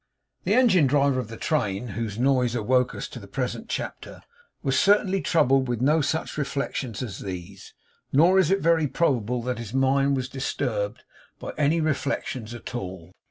The engine driver of the train whose noise awoke us to the present chapter was certainly troubled with no such reflections as these; nor is it very probable that his mind was disturbed by any reflections at all.